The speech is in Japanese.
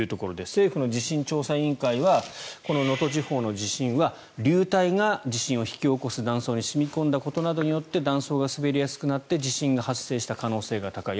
政府の地震調査委員会はこの能登地方の地震は流体が地震を引き起こす断層に染み込んだことなどによって断層が滑りやすくなって地震が発生した可能性が高い。